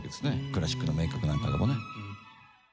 クラシックの名曲なんかでもね。